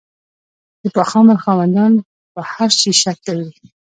د پاخه عمر خاوندان په هر شي شک کوي.